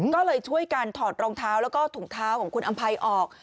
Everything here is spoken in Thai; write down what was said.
ก็เลยช่วยกันถอดรองเท้าแล้วก็ถุงเท้าของคุณอำภัยออก